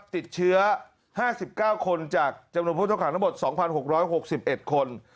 ติดเชื้อห้าสิบเก้าคนจากจำนวนผู้ต้องหางทั้งหมดสองพันหกร้อยหกสิบเอ็ดคน